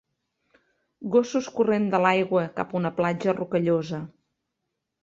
Gossos corrent de l'aigua cap a una platja rocallosa.